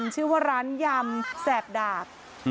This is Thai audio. ชื่อว่าร้านยำแสบดาบ